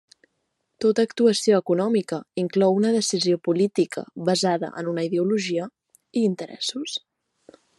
Tota actuació econòmica inclou una decisió política basada en una ideologia i interessos.